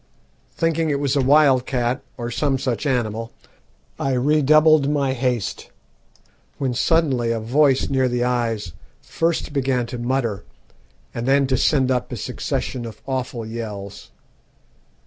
Thinking it was a wild cat, or some such animal, I redoubled my haste, when suddenly a voice near the eyes began first to mutter, and then to send up a succession of awful yells.